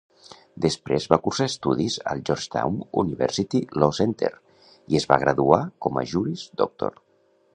Després va cursar estudis al Georgetown University Law Center i es va graduar com a Juris Doctor.